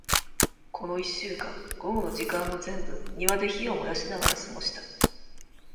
この一週間、午後の時間を全部、庭で火を燃やしながら過ごした。